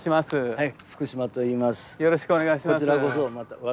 はい。